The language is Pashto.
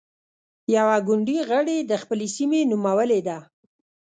يوه ګوندي غړې د خپلې سيمې نومولې ده.